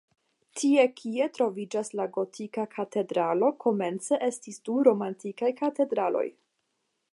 Tie kie troviĝas la gotika katedralo, komence estis du romanikaj katedraloj.